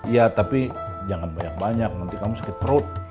ya tapi jangan banyak banyak nanti kamu sakit perut